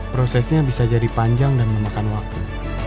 prosesnya bisa jadi panjang dan memakan waktu